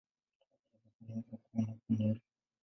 Klabu ya soka inaweza kuwa na bendera.